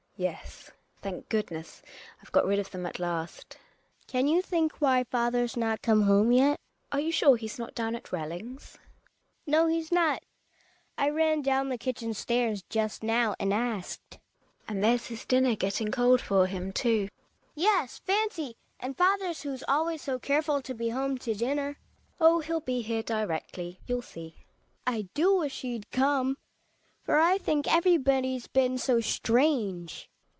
Yes, thank goodness, I've got rid of them at last. Hedvig. Can you think why father's not come home yet? Gina. Are you sure he's not down at Rellings ? Hedvig. No, he's not; I ran down the kitchen stairs just now and asked. Gina. And there's his dinner getting cold for him, too. Hedvig. Yes, fancy — and father's who's always so careful to be home to dinner. I 90 THE WILD DUCK. GiNA. Oh! hell be here directly you*ll see. Hedvig. I do wish he'd come; for I think everybody's been so strange.